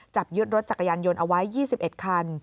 จับยึดรถจักรยานยนต์เอาไว้๒๑คัน